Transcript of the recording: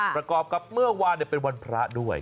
ประกอบกับเมื่อวานเป็นวันพระด้วย